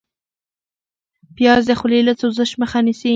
پیاز د خولې له سوزش مخه نیسي